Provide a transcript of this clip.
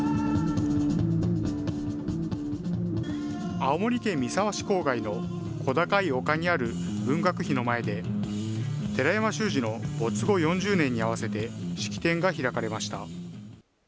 青森県三沢市郊外の小高い丘にある文学碑の前で、寺山修司の没後４０年に合わせて式典が開かれました。